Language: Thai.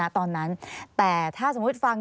ตอนนั้นแต่ถ้าสมมุติฟัง